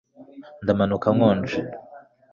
Ndamanuka nkonje